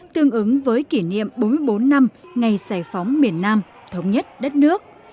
tương ứng với kỷ niệm bốn mươi bốn năm ngày giải phóng miền nam thống nhất đất nước